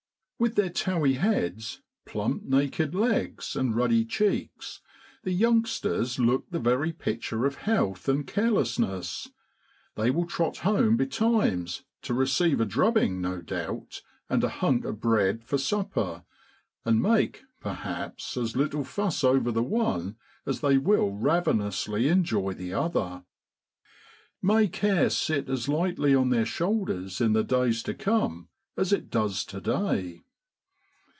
With their towy heads, plump naked legs, and ruddy cheeks, the youngsters look the very picture of health and carelessness. They will trot home betimes to receive a drubbing, no doubt, and a * hunk o' bread ' for supper, and make, perhaps, as little fuss over the one as they will ravenously enjoy the other. May care sit as lightly on their shoulders in the days to come as it does to day!